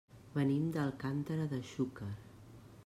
Venim d'Alcàntera de Xúquer.